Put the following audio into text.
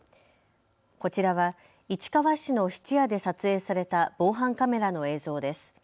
こちらは市川市の質屋で撮影された防犯カメラの映像です。